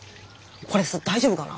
これさ大丈夫かな？